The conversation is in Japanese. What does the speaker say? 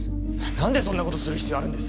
何でそんなことする必要あるんです？